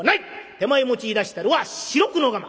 手前持ちいだしたるは四六のがま。